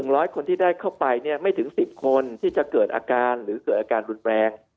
ร้อยคนที่ได้เข้าไปไม่ถึง๑๐คนที่จะเกิดอาการหรือเกิดอาการรุนแรง